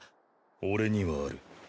俺にはある。